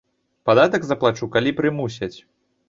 Падатак заплачу, калі прымусяць.